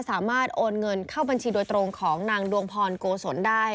โอนเงินเข้าบัญชีโดยตรงของนางดวงพรโกศลได้